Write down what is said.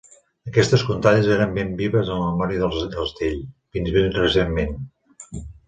Aquestes contalles eren ben vives en la memòria dels d'Astell fins ben recentment.